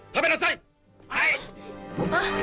ทำไมนะไซค์